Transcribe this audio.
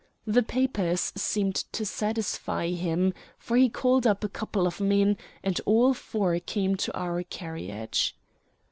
The papers seemed to satisfy him, for he called up a couple of men, and all four came to our carriage.